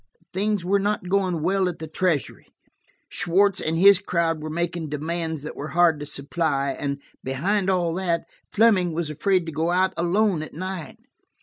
Things were not going well at the treasury; Schwartz and his crowd were making demands that were hard to supply, and behind all that, Fleming was afraid to go out alone at night.